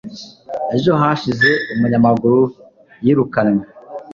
Ejo hashize umunyamaguru yirukanwe